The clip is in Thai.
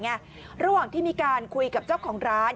ระหว่างที่มีการคุยกับเจ้าของร้าน